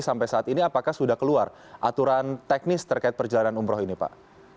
sampai saat ini apakah sudah keluar aturan teknis terkait perjalanan umroh ini pak